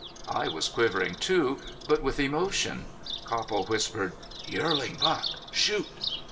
I was quivering too, but with emotion. Copple whispered: "Yearlin' buck. Shoot!"